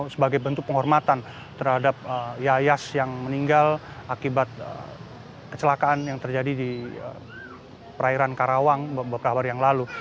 sebagai bentuk penghormatan terhadap yayas yang meninggal akibat kecelakaan yang terjadi di perairan karawang beberapa hari yang lalu